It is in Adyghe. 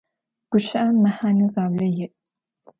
Гущыӏэм мэхьэнэ заулэ иӏ.